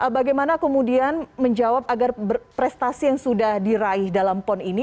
bagaimana kemudian menjawab agar prestasi yang sudah diraih dalam pon ini